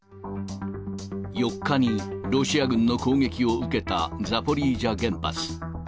４日にロシア軍の攻撃を受けたザポリージャ原発。